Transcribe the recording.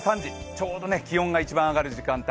ちょうど気温が一番上がる時間帯